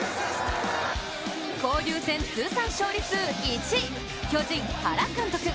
交流戦通算勝利数１位、巨人・原監督。